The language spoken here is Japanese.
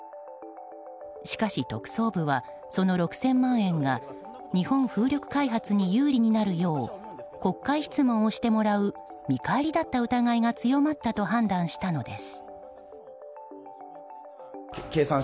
しかし、特捜部はその６０００万円が日本風力開発に有利になるよう国会質問をしてもらう見返りだった疑いが強まったと判断したのです。